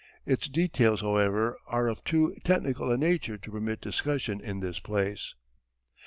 Its details, however, are of too technical a nature to permit discussion in this place.